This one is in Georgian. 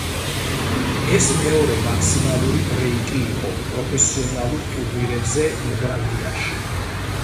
ეს მეორე მაქსიმალური ბრეიკი იყო პროფესიონალურ ტურნირებზე ირლანდიაში.